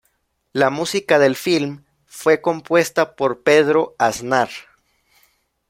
La música del film fue compuesta por Pedro Aznar.